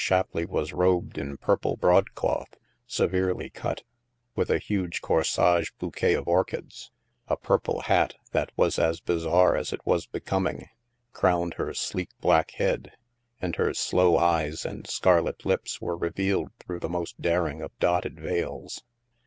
Shapleigh was robed in purple broadcloth, se verely cut, with a huge corsage bouquet of orchids; a purple hat, that was as bizarre as it was becoming, crowned her sleek black head, and her sloe eyes and scarlet lips were revealed through the most daring of dotted veils.